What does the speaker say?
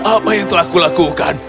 apa yang telah kulakukan